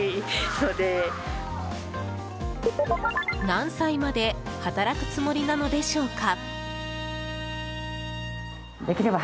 何歳まで働くつもりなのでしょうか。